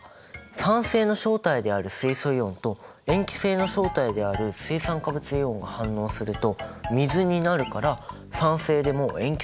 酸性の正体である水素イオンと塩基性の正体である水酸化物イオンが反応すると水になるから酸性でも塩基性でもなくなるんだね。